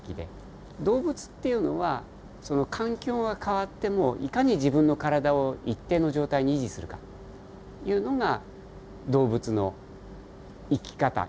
動物っていうのはその環境が変わってもいかに自分の体を一定の状態に維持するかというのが動物の生き方生きていく上での戦略なんですね。